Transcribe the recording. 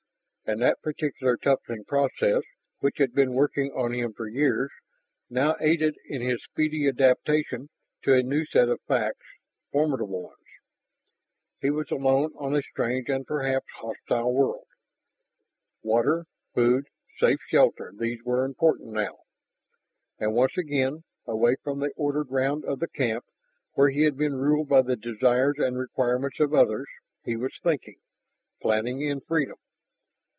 And that particular toughening process which had been working on him for years now aided in his speedy adaption to a new set of facts, formidable ones. He was alone on a strange and perhaps hostile world. Water, food, safe shelter, those were important now. And once again, away from the ordered round of the camp where he had been ruled by the desires and requirements of others, he was thinking, planning in freedom.